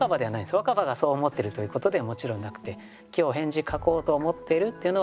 若葉がそう思っているということではもちろんなくて「今日返事書こうと思ってる」っていうのは作者のことで。